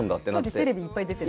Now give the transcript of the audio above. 当時テレビにいっぱい出てる。